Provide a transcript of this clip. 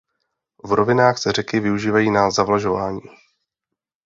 V rovinách se řeky využívají na zavlažování.